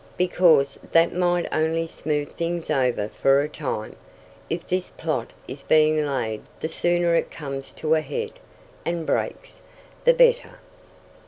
"Because that might only smooth things over for a time. If this plot is being laid the sooner it comes to a head, and breaks, the better.